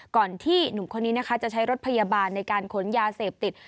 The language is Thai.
ก่อนที่หนุ่มคนนี้นะคะจะใช้รถพยาบาลในการขนยาเสพติด